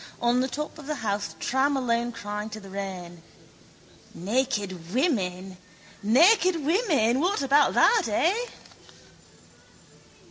On the top of the Howth tram alone crying to the rain: Naked women! Naked women! What about that, eh?